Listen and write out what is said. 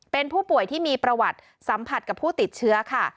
เป็นผู้ป่วยที่มีประวัติสัมผัสกับผู้ติดเชื้อค่ะ